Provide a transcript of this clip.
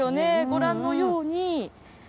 ご覧のように。